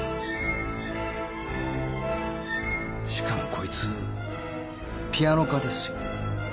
しかもこいつピアノ科ですよ？